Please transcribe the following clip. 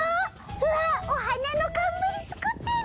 うわっおはなのかんむりつくってる！